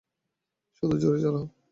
শুধু জোরে চালাও।